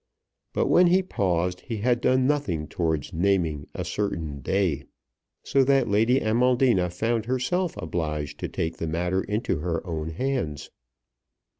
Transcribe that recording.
But when he paused he had done nothing towards naming a certain day, so that Lady Amaldina found herself obliged to take the matter into her own hands.